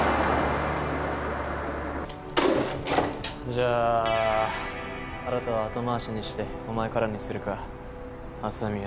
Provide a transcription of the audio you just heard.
じゃあ新は後回しにしてお前からにするか麻宮葵。